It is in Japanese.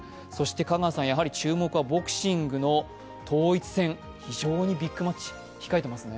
香川さん、注目はボクシングの統一戦、非常にビッグマッチ、控えてますね